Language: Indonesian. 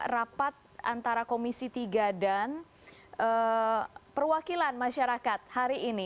rapat antara komisi tiga dan perwakilan masyarakat hari ini